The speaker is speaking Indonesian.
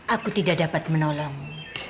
aku tidak dapat menolongmu